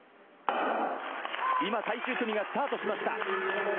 今、最終組がスタートしました。